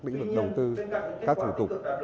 lĩnh vực đầu tư các thủ tục